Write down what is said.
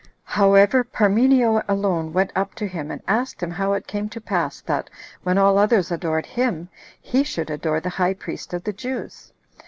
However, Parmenio alone went up to him, and asked him how it came to pass that, when all others adored him, he should adore the high priest of the Jews?